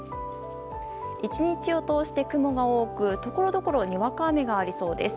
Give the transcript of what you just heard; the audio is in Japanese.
１日を通して雲が多くところどころにわか雨がありそうです。